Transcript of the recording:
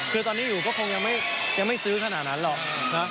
คือตอนนี้อยู่ก็คงยังไม่ซื้อขนาดนั้นหรอก